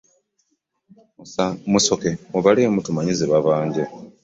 Musooke mubalemu tumanye ze babanja.